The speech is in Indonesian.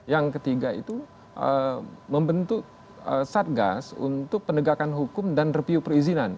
yang ketiga itu membentuk satgas untuk penegakan hukum dan review perizinan